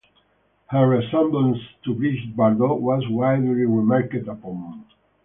Her resemblance to Brigitte Bardot was widely remarked upon.